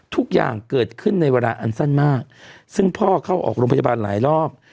ทุกอย่างเกิดขึ้นในเวลาอันสั้นมากซึ่งพ่อเข้าออกโรงพยาบาลหลายรอบ